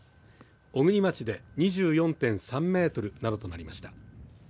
小国町で２４．３メートルなどとなりました。